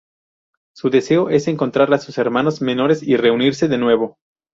Su deseo es encontrar a sus hermanos menores y reunirse de nuevo.